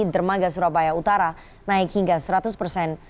dermaga surabaya utara naik hingga seratus persen